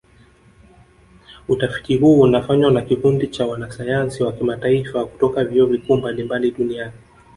Utafiti huu unafanywa na kikundi cha wanasayansi wa kimataifa kutoka vyuo vikuu mbalimbali duniani